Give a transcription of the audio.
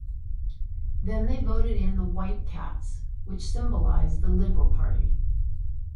Then they voted in the white cats, which symbolized the Liberal Party.